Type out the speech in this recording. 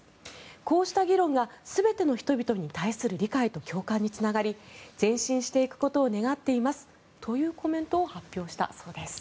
こうした議論が全ての人々に対する理解と共感につながり前進していくことを願っていますというコメントを発表したそうです。